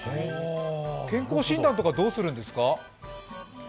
健康診断とかどうするんですか？